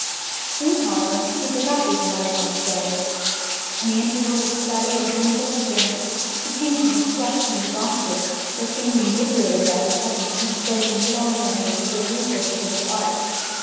Soon, however, he forgot these mortifying failures. In the intervals of study and chemical experiment he came to her flushed and exhausted, but seemed invigorated by her presence, and spoke in glowing language of the resources of his art.